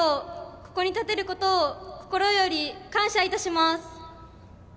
ここに立てることを心より感謝いたします。